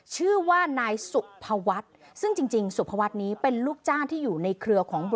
ชื่อว่านายสุภวัฒน์ซึ่ง